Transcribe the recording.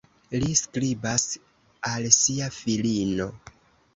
Li skribas al sia filino.